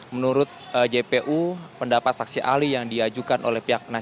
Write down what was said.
menurut jpu pendapat saksi ahli yang diajukan oleh pihak penyelenggara